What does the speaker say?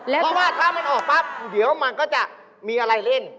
เพราะว่าถ้ามันออกปั๊บเดี๋ยวมันก็จะมีอะไรเล่น